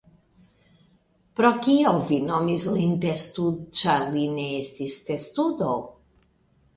Pro kio vi nomis lin Testud ĉar li ne estis Testudo?